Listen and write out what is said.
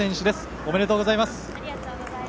ありがとうございます。